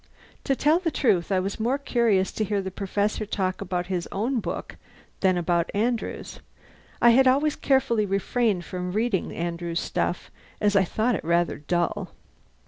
To tell the truth I was more curious to hear the Professor talk about his own book than about Andrew's. I had always carefully refrained from reading Andrew's stuff, as I thought it rather dull.